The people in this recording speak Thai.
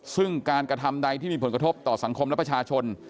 ซึ่งการกระทำใดที่มีผลกระทบต่อสังคมและประชาชน